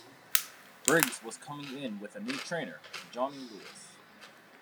Briggs was coming in with a new trainer, Johnny Lewis.